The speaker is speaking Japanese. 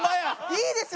いいですよ